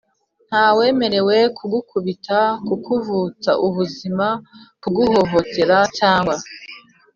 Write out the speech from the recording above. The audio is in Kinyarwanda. ntawemerewe kugukubita, kukuvutsa ubuzima, kuguhohotera cyangwa